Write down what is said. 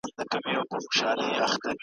دا د حقوقو لنډیز و.